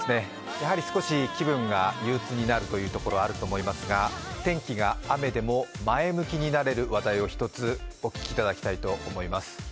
やはり少し気分が憂うつになるところはあると思いますが、天気が雨でも前向きになれる話題を１つお聞きいただきたいと思います。